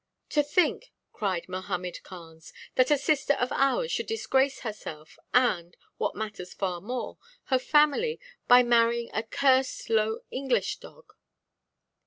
"To think," cried Mohammed Khans, "that a sister of ours should disgrace herself, and (what matters far more) her family, by marrying a cursed low English dog!"